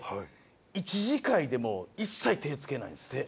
一次会でも一切手つけないんですって。